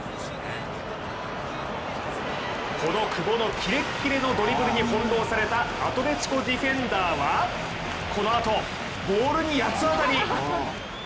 この久保のキレッキレのドリブルに翻弄されたアトレチコディフェンダーはこのあと、ボールに八つ当たり。